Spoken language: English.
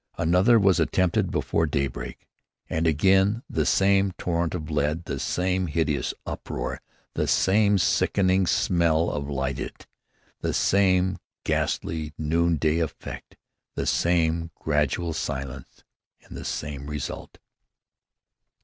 Another was attempted before daybreak, and again the same torrent of lead, the same hideous uproar, the same sickening smell of lyddite, the same ghastly noon day effect, the same gradual silence, and the same result.